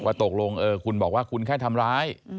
ตกลงคุณบอกว่าคุณแค่ทำร้าย